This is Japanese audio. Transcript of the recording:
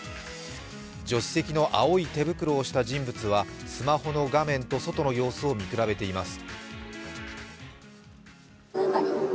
助手席の青い手袋をした人物はスマホの画面と外の様子を見比べています。